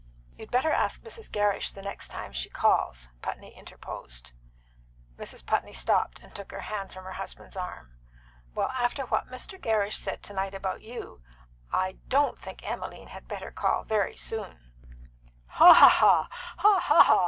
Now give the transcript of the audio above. "You'd better ask Mrs. Gerrish the next time she calls," Putney interposed. Mrs. Putney stopped, and took her hand from her husband's arm. "Well, after what Mr. Gerrish said to night about you, I don't think Emmeline had better call very soon!" "Ha, ha, ha! Ha, ha, ha!"